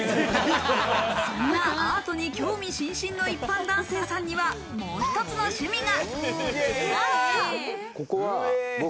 そんなアートに興味津々の一般男性さんにはもう一つの趣味が。